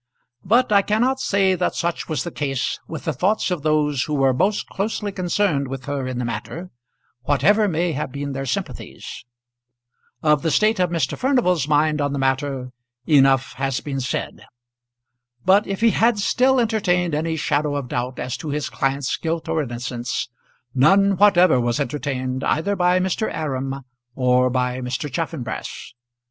But I cannot say that such was the case with the thoughts of those who were most closely concerned with her in the matter, whatever may have been their sympathies. Of the state of Mr. Furnival's mind on the matter enough has been said. But if he had still entertained any shadow of doubt as to his client's guilt or innocence, none whatever was entertained either by Mr. Aram or by Mr. Chaffanbrass.